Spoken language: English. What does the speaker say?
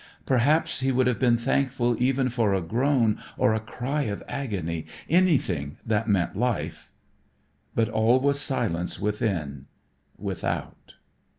Perhaps he would have been thankful even for a groan or a cry of agony, anything that meant life. But all was silence within, without.